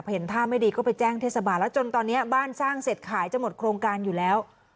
เห็นท่าไม่ดีก็ไปแจ้งเทศบาลแล้วจนตอนนี้บ้านสร้างเสร็จขายจะหมดโครงการอยู่แล้ว